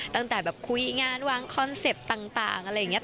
ตั้งแต่แบบคุยงานวางคอนเซ็ปต์ต่างอะไรอย่างนี้